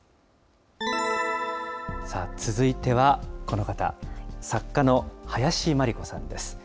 さあ、続いてはこの方、作家の林真理子さんです。